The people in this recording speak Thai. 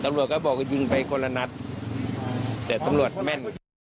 ตำรวจก็บอกว่ายิงไปคนละนัดแต่ตำรวจแม่น